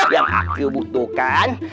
yang aku butuhkan